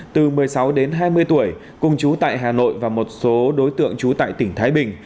từ một mươi sáu đến hai mươi tuổi cùng chú tại hà nội và một số đối tượng trú tại tỉnh thái bình